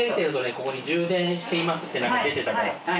ここに充電していますって出てたから。